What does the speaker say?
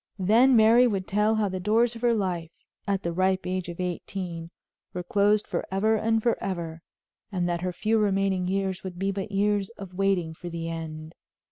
Then Mary would tell how the doors of her life, at the ripe age of eighteen, were closed forever and forever, and that her few remaining years would be but years of waiting for the end.